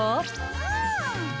うん！